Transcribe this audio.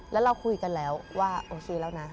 แล้วเราคุยกันแล้วว่าโอเคแล้วนะ